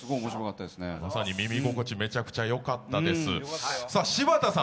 まさに耳心地、めちゃくちゃよかったです。